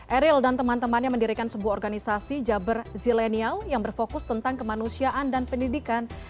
eril dan teman temannya mendirikan sebuah organisasi jabar zilenial yang berfokus tentang kemanusiaan dan pendidikan